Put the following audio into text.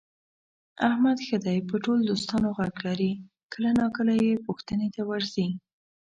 احمد ښه دی په ټول دوستانو غږ لري، کله ناکله یې پوښتنې ته ورځي.